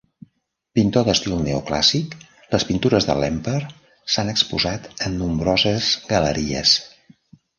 Pintor d'estil neoclàssic, les pintures de Lemper s'han exposat en nombroses galeries.